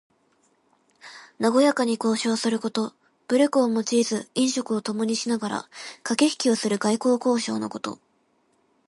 なごやかに交渉すること。武力を用いず飲食をともにしながらかけひきをする外交交渉のこと。